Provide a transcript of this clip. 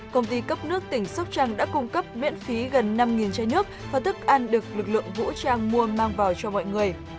công ty cấp nước tỉnh sóc trăng đã cung cấp miễn phí gần năm chai nước và thức ăn được lực lượng vũ trang mua mang vào cho mọi người